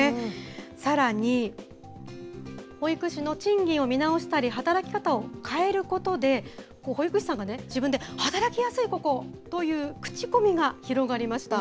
さらに、保育士の賃金を見直したり、働き方を変えることで、保育士さんがね、自分で、働きやすい、ここという口コミが広がりました。